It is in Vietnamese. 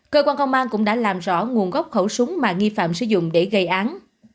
cơ quan công an cũng đã làm rõ nguồn gốc khẩu súng mà nghi phạm sử dụng để gây án